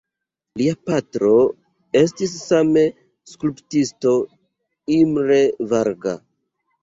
Lia patro estis same skulptisto Imre Varga.